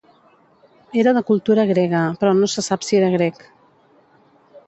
Era de cultura grega, però no se sap si era grec.